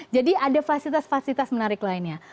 jadi ada fasilitas fasilitas menarik lainnya